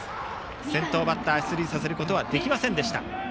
先頭バッターを出塁させることはできませんでした。